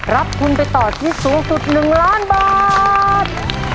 รับทุนไปต่อชีวิตสูงสุด๑ล้านบาท